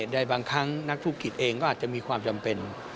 ใดบางครั้งนักธุรกิจเองก็อาจจะมีความจำเป็น